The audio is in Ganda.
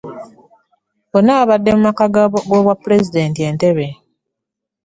Bonna baabadde mu maka g'Obwapulezidenti Entebbe